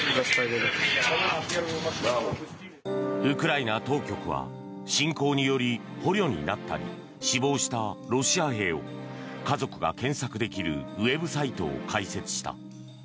ウクライナ当局は侵攻により捕虜になったり死亡したロシア兵を家族が検索できるウェブサイトを開設した。